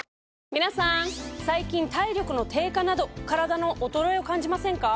皆さん最近体力の低下などカラダの衰えを感じませんか？